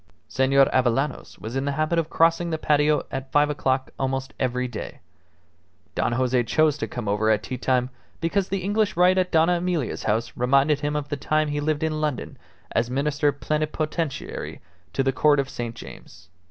Senor Avellanos was in the habit of crossing the patio at five o'clock almost every day. Don Jose chose to come over at tea time because the English rite at Dona Emilia's house reminded him of the time he lived in London as Minister Plenipotentiary to the Court of St. James.